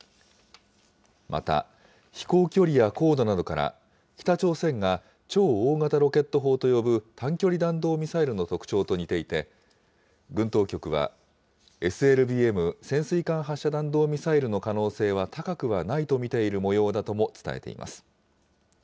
また、飛行距離や高度などから、北朝鮮が超大型ロケット砲と呼ぶ短距離弾道ミサイルの特徴と似ていて、軍当局は、ＳＬＢＭ・潜水艦発射弾道ミサイルの可能性は高くはないと見ているもようだとも伝えています。